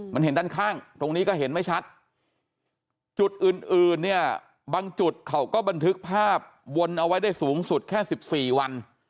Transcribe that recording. มันเห็นด้านข้างตรงนี้ก็เห็นไม่ชัดจุดอื่นเนี่ยบางจุดเขาก็บันทึกภาพวนเอาไว้ได้สูงสุดแค่๑๔วัน